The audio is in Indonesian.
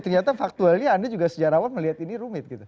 ternyata faktualnya anda juga sejarawan melihat ini rumit gitu